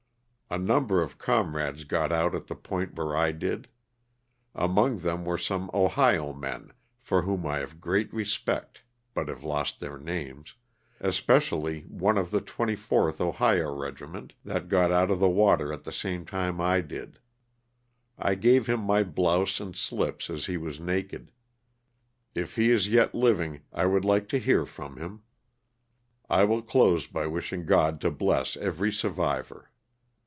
A number of comrades got out at the point where I did. Among them were some Ohio men for whom I have great respect (but have lost their names), especially one of the 24th Ohio Regiment, that got out of the water at the same time I did. I gave him my blouse and slips as he was naked ; if he is yet living I would like to hear from him. I will close by wishing God to bless every survivor.